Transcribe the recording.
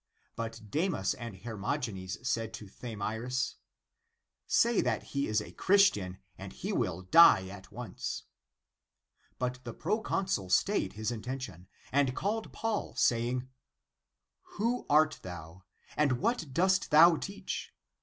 But Demas and Hermogenes said to Thamyris, " Say that he is a Christian and he will die at once." But the proconsul stayed his inten tion, and called Paul saying, " Who art thou, and what dost thou teach?